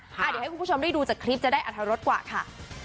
เดี๋ยวให้คุณผู้ชมได้ดูจากคลิปจะได้อรรถรสกว่าค่ะ